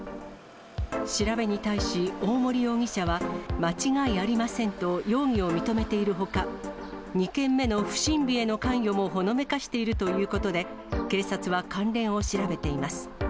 調べに対し大森容疑者は、間違いありませんと容疑を認めているほか、２件目の不審火への関与もほのめかしているということで、警察は関連を調べています。